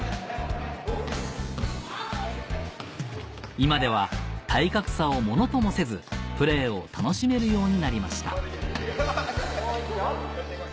今では体格差をものともせずプレーを楽しめるようになりましたよし！